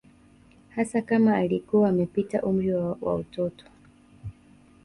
Hasa kama alikuwa amepita umri wa utoto